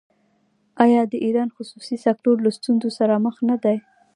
آیا د ایران خصوصي سکتور له ستونزو سره مخ نه دی؟